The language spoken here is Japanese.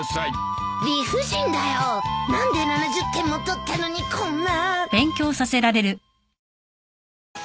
理不尽だよ。何で７０点も取ったのにこんな。